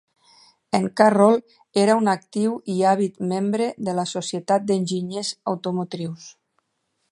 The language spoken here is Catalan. En Carroll era un actiu i àvid membre de la Societat d'Enginyers Automotrius.